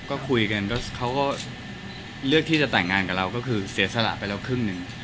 ก็คุยกันแล้วเขาก็เลือกที่จะแต่งงานกับเราก็คือเสียสละไปแล้วครึ่งหนึ่ง